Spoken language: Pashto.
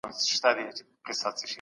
موږ دا تحليل زده کوو.